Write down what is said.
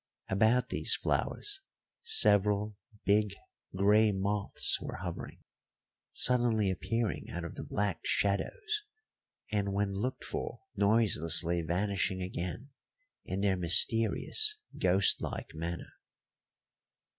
About these flowers several big, grey moths were hovering, suddenly appearing out of the black shadows and when looked for, noiselessly vanishing again in their mysterious ghost like manner.